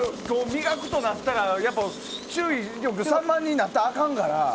磨くとなったら注意力散漫になったらあかんから。